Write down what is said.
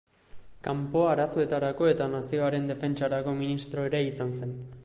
Kanpo Arazoetarako eta Nazioaren Defentsarako ministro ere izan zen.